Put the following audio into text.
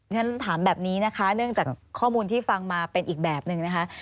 ฉันถามแบบนี้นะคะเนื่องจากข้อมูลที่ฟังมาเป็นอีกแบบหนึ่งนะคะ